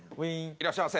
いらっしゃいませ。